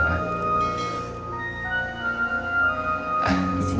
nunggu aja kan